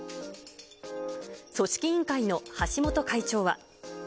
組織委員会の橋本会長は。